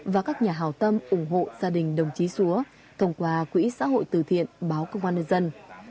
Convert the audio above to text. và các nhà hào tâm ủng hộ gia đình đồng chí xúa thông qua quỹ xã hội từ thiện báo công an nhân dân